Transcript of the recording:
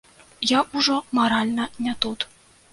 Я ўжо маральна не тут.